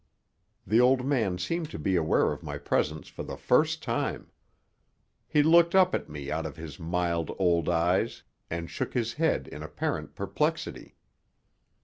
The old man seemed to be aware of my presence for the first time. He looked up at me out of his mild old eyes, and shook his head in apparent perplexity.